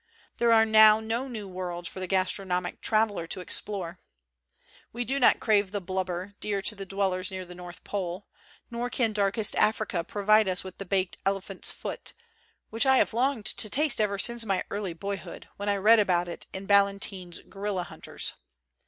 There are now no new worlds for the gastro nomic traveller to explore. We do not crave the blubber, dear to the dwellers near the North Pole; nor can darkest Africa provide us with the baked elephant's foot, which I have longed to taste ever since my early boyhood, when I read about it in Ballantyne's ' Gorilla Hunters.'